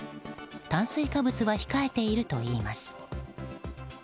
炭水化物は控えているといいます。